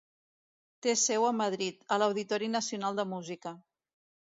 Té seu a Madrid, a l'Auditori Nacional de Música.